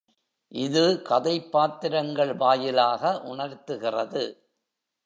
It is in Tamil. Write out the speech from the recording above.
இது கதைப் பாத்திரங்கள் வாயிலாக உணர்த்துகிறது.